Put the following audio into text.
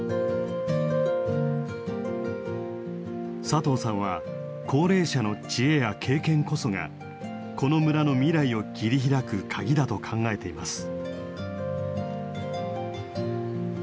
佐藤さんは高齢者の知恵や経験こそがこの村の未来を切り開くカギだと考えています。